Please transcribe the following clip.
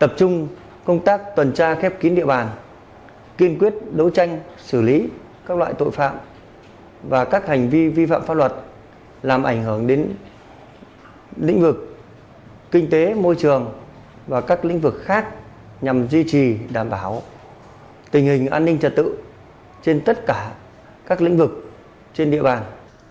tập trung công tác tuần tra khép kín địa bàn kiên quyết đấu tranh xử lý các loại tội phạm và các hành vi vi phạm pháp luật làm ảnh hưởng đến lĩnh vực kinh tế môi trường và các lĩnh vực khác nhằm duy trì đảm bảo tình hình an ninh trật tự trên tất cả các lĩnh vực trên địa bàn